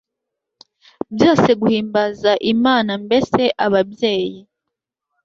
byose guhimbaza ImanaMbese ababyeyi